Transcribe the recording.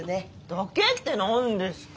「だけ」って何ですか？